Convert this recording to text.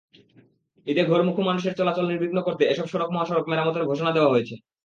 ঈদে ঘরমুখী মানুষের চলাচল নির্বিঘ্ন করতে এসব সড়ক-মহাসড়ক মেরামতের ঘোষণা দেওয়া হয়েছে।